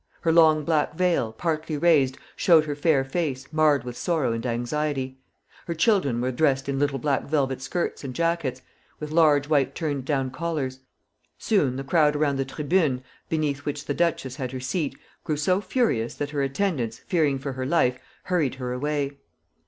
Her long black veil, partly raised, showed her fair face marred with sorrow and anxiety. Her children were dressed in little black velvet skirts and jackets, with large white turned down collars. Soon the crowd around the tribune, beneath which the duchess had her seat, grew so furious that her attendants, fearing for her life, hurried her away.